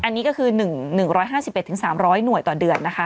อันนี้ก็คือ๑๕๑๓๐๐หน่วยต่อเดือนนะคะ